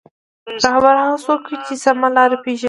رهبر هغه څوک وي چې سمه لاره پېژني.